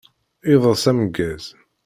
Iḍeṣ ameggaz!